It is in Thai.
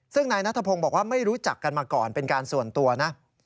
ซึ่งนายนัทพงศ์บอกว่าไม่รู้จักกันมาก่อนเป็นการส่วนตัวนะ